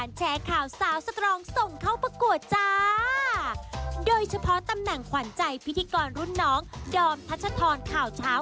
สเต็ปการแอลฟูจับตาดูให้ดีนะเจ้าสาว